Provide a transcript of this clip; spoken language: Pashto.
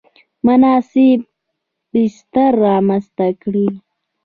مناسب بستر رامنځته کړ.